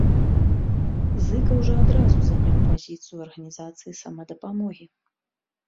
Зыкаў жа адразу заняў пазіцыю арганізацыі самадапамогі.